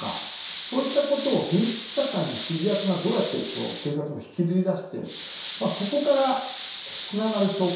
そういったことを現実社会に指示役がどうやって警察を引きずり出してそこからつながる証拠。